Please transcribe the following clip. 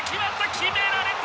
決められた！